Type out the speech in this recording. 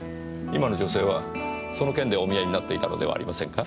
今の女性はその件でお見えになっていたのではありませんか？